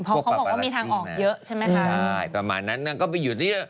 เพราะเขาบอกว่ามีทางออกเยอะใช่ไหมคะใช่ประมาณนั้นนางก็ไปอยู่ที่